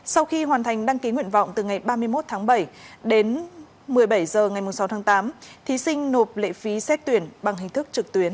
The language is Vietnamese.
sau khi hoàn thành đăng ký nguyện vọng từ ngày ba mươi một tháng bảy đến một mươi bảy h ngày sáu tháng tám thí sinh nộp lệ phí xét tuyển bằng hình thức trực tuyến